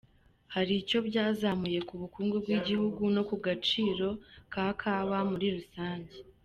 Hari icyo byazamuye ku bukungu bw’igihugu no ku gaciro ka kawa muri rusange.